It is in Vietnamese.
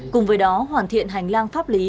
cùng với đó hoàn thiện hành lang pháp lý